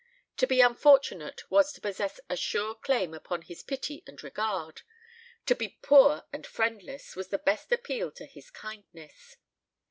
To be unfortunate was to possess a sure claim upon his pity and regard; to be poor and friendless was the best appeal to his kindness.